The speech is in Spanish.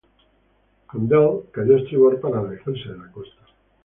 Condell cayó a estribor para alejarse de la costa.